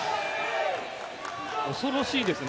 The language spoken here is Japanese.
恐ろしいですね。